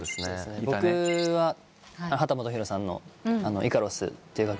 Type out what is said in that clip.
僕は秦基博さんの『イカロス』という楽曲です。